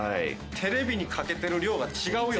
テレビにかけてる量が違うよ。